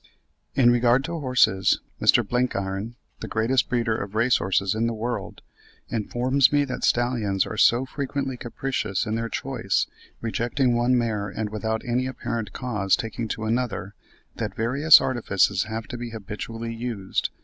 In regard to horses, Mr. Blenkiron, the greatest breeder of race horses in the world, informs me that stallions are so frequently capricious in their choice, rejecting one mare and without any apparent cause taking to another, that various artifices have to be habitually used.